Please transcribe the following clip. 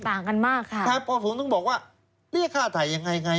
ต่างกันมากค่ะค่ะเพราะผมต้องบอกว่าเรียกค่าไถ่ยังไง